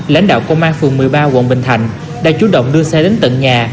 lãnh đạo công an phường một mươi ba quận bình thạnh đã chủ động đưa xe đến tận nhà